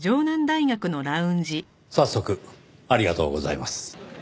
早速ありがとうございます。